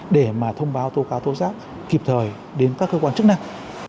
để mà thông báo thô cáo thô giác kịp thời đến các cơ quan chức năng